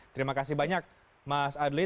terima kasih banyak mas adli